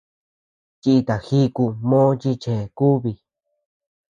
Chìta jíku mo chi chë kúbi.